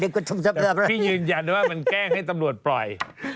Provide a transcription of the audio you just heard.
พี่ยืนยันว่ามันแกล้งให้ตำรวจปล่อย